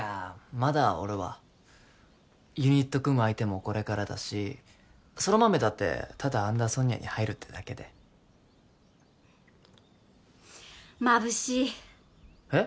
まだ俺はユニット組む相手もこれからだし空豆だってただアンダーソニアに入るってだけでまぶしいえっ？